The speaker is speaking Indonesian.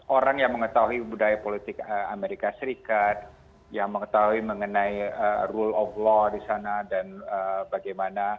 orang yang mengetahui budaya politik amerika serikat yang mengetahui mengenai rule of law di sana dan bagaimana